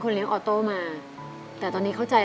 เขาได้ที่๓